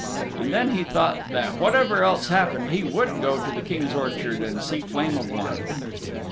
And then he thought that whatever else happened he would go to the King's orchard and see Flame of Wine.